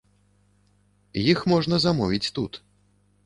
Іх можна замовіць тут.